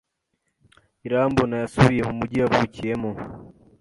Irambona yasubiye mu mujyi yavukiyemo.